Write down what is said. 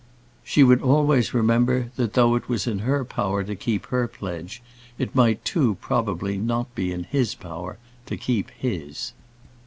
She would always remember, that though it was in her power to keep her pledge, it might too probably not be in his power to keep his.